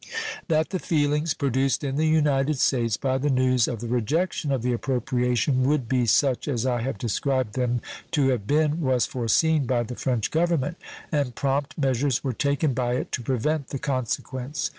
That the feelings produced in the United States by the news of the rejection of the appropriation would be such as I have described them to have been was foreseen by the French Government, and prompt measures were taken by it to prevent the consequence.